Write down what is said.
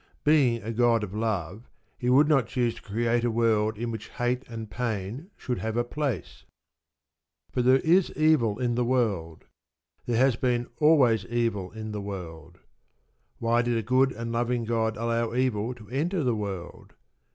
Being a God of Love, He would not choose to create a world in which hate and pain should have a place. But there is evil in the world. There has been always evil in the world. Why did a good and loving God allow evil to enter the world?